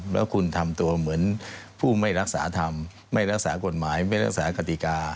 แล้วคุณทำตัวเหมือนผู้ไม่รักษาธรรมไม่รักษากฎหมายไม่รักษากติกา